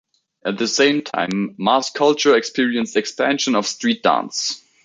At the same time, mass culture experienced expansion of street dance.